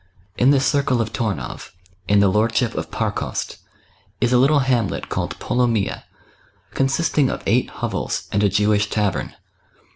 In the circle of Tornow, in the lordship of Parkost, is a little hamlet called Polomyja, consisting of eight hovels and a Jewish tavern.